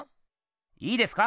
いいですか？